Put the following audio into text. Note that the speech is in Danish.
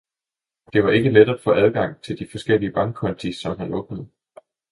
Det var ikke let at få adgang til de forskellige bankkonti, som han åbnede.